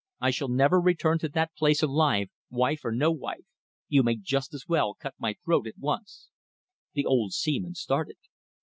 I shall never return to that place alive, wife or no wife. You may just as well cut my throat at once." The old seaman started.